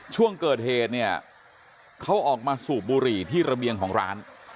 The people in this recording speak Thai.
ช่วงเกิดเหตุเนี่ยเขาออกมาสูบบุหรี่ที่ระเบียงของร้าน